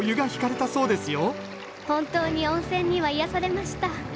本当に温泉には癒やされました。